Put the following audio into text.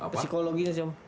psikologinya sih om